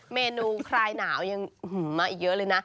เมนูคลายหนาวยังมาอีกเยอะเลยนะ